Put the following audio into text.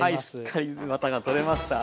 はいしっかりワタが取れました。